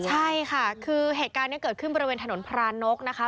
ใช่ค่ะคือเหตุการณ์นี้เกิดขึ้นบริเวณถนนพรานกนะคะ